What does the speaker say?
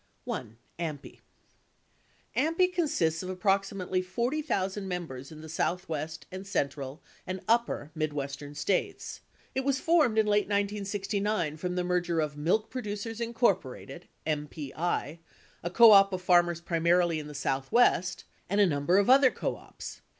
1. AMPI AMPI consists of approximately 40,000 members in the Southwest and central and upper Midwestern States. It was formed in late 1969, from the merger of Milk Producers, Inc. (MPI), a co op of farmers primarily in the Southwest, and a number of other co ops.